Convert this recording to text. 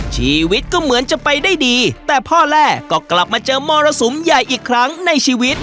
ชีวิตก็เหมือนจะไปได้ดีแต่พ่อแร่ก็กลับมาเจอมรสุมใหญ่อีกครั้งในชีวิต